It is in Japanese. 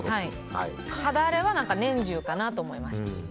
肌荒れは年中かなと思いました。